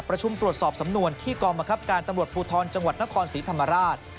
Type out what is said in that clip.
ตรวจสอบสำนวนที่กองบังคับการตำรวจภูทรจังหวัดนครศรีธรรมราช